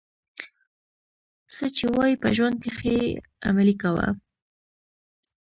څه چي وايې په ژوند کښي ئې عملي کوه.